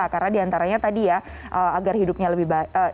karena diantaranya tadi ya agar hidupnya lebih baik